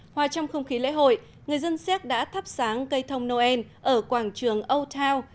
hòa trong không khí lễ hội người dân xéc đã thắp sáng cây thông noel ở quảng trường âu thao